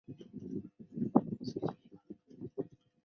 正体中文版由台湾角川发行。